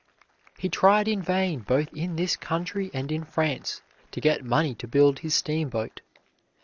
He tried in vain both in this country and in France to get money to build his steamboat.